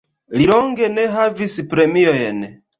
Li longe ne havis premiojn.